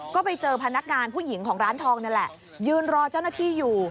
ก็ไปเจอพนักงานผู้หญิงของร้านทองนั่นแหละยืนรอเจ้าหน้าที่อยู่